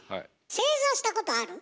正座したことある？